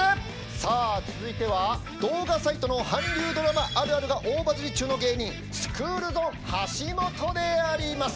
さあ続いては動画サイトの韓流ドラマあるあるが大バズり中の芸人スクールゾーン橋本であります。